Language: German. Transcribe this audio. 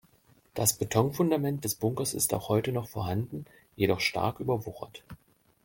Das Betonfundament des Bunkers ist auch heute noch vorhanden, jedoch stark überwuchert.